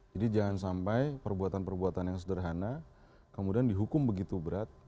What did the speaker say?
jadi jangan sampai perbuatan perbuatan yang sederhana kemudian dihukum begitu berat